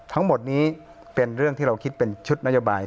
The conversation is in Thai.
ทั้งหมดนี้เป็นเรื่องที่เราคิดเป็นชุดนโยบาย